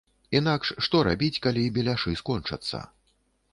Інакш, што рабіць, калі беляшы скончацца?